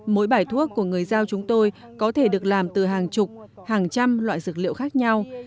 mỗi bài thuốc của người giao chúng tôi có thể được làm từ hàng chục hàng trăm loại dược liệu khác nhau